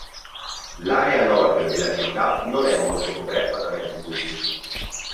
L'area nord della città non è molto coperta da mezzi pubblici.